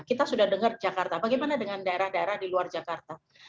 kita sudah dengar jakarta bagaimana dengan daerah daerah di luar jakarta